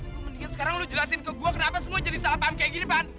mendingan sekarang lu jelasin ke gua kenapa semua jadi salah paham kayak gini pan